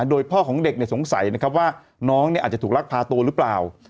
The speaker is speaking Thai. โดยพ่อของเด็กสงสัยนะครับว่าน้องอาจจะถูกลักพาตัวหรือเปล่า